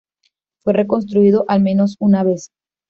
Fue reconstruido al menos una vez.